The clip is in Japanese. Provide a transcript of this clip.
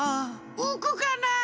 うくかなあ？